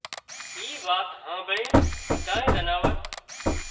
اي وات هانڀۯينَ ٻڌائي زناور